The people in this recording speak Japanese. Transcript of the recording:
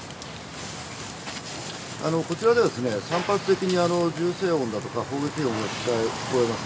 こちらでは、散発的に銃声音だとか砲撃音が聞こえますね。